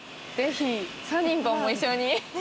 ぜひ３人とも一緒に。